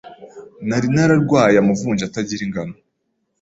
nari nararwaye amavunja atagira ingano